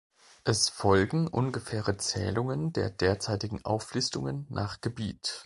Es folgen ungefähre Zählungen der derzeitigen Auflistungen nach Gebiet.